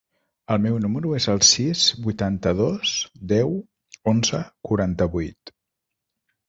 El meu número es el sis, vuitanta-dos, deu, onze, quaranta-vuit.